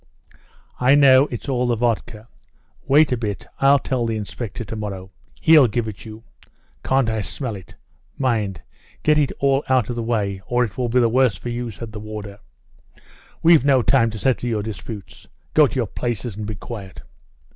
"I know, it's all the vodka. Wait a bit; I'll tell the inspector tomorrow. He'll give it you. Can't I smell it? Mind, get it all out of the way, or it will be the worse for you," said the warder. "We've no time to settle your disputes. Get to your places and be quiet."